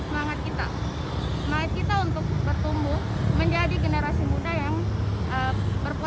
yang bisa kita kontrol adalah semangat kita